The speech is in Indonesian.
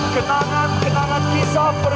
kenangan kenangan bisa berjalan